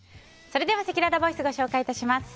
それではせきららボイスご紹介致します。